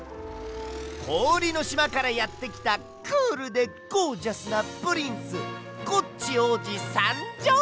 こおりのしまからやってきたクールでゴージャスなプリンスコッチおうじさんじょう！